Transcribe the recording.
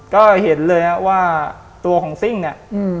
ก็เห็นเลยฮะว่าตัวของซิ่งเนี่ย